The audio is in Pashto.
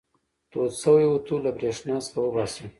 تود شوی اوتو له برېښنا څخه وباسئ.